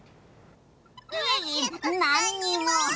いえいえなんにも。